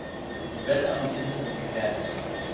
Die Gewässer um die Insel sind gefährlich.